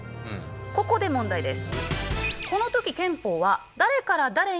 ここで問題です。